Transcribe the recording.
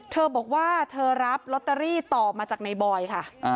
เธอบอกว่าเธอรับลอตเตอรี่ต่อมาจากในบอยค่ะ